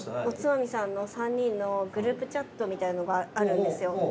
おつまみさんの３人のグループチャットみたいのがあるんですよ。